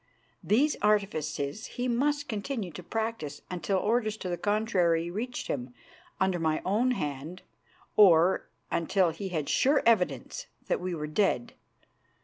These artifices he must continue to practise until orders to the contrary reached him under my own hand, or until he had sure evidence that we were dead.